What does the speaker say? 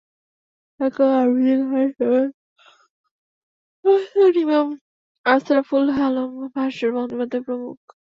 একক আবৃত্তি করেন সৈয়দ হাসান ইমাম, আশরাফুল আলম, ভাস্বর বন্দ্যোপাধ্যায় প্রমুখ।